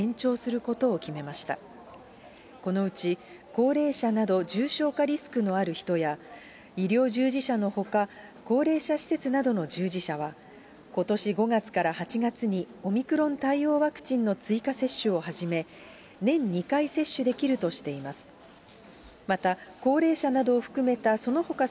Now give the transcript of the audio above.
このうち高齢者など重症化リスクのある人や、医療従事者のほか、高齢者施設などの従事者は、ことし５月から８月に、オミクロン対応ワクチンの追加接種を始め、年２回接種できるとしています。